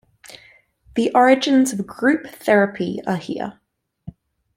The origins of group therapy are here.